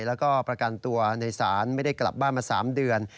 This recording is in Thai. แล้วก็ประกันตัวในศาลไม่ได้กลับบ้านมา๓เดือน